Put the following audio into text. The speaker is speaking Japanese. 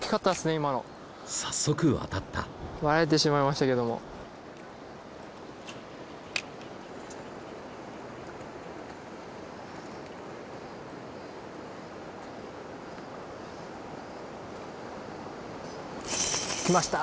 今の早速当たったバレてしまいましたけども来ました！